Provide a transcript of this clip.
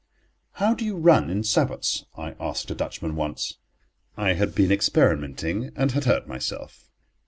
"How do you run in sabots?" I asked a Dutchman once. I had been experimenting, and had hurt myself.